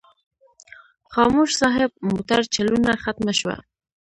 خاموش صاحب موټر چلونه ختمه شوه.